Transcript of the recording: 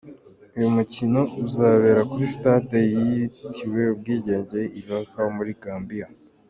Uyu mukino uzabera kuri sitade yitiwe ubwigenge I Bakau muri Gambia.